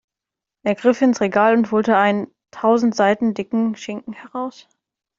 Er griff ins Regal und holte einen tausend Seiten dicken Schinken heraus.